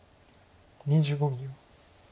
２５秒。